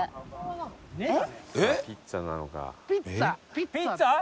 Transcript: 「ピッツァなのか？」